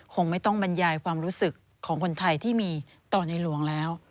คงไม่ต้องบรรยายความรู้สึกของคนไทยที่มีต่อในหลวงแล้ว